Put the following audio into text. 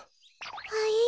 はい？